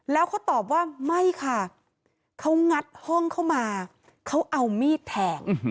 แล้วเขาตอบว่าไม่ค่ะเขางัดห้องเข้ามาเขาเอามีดแทง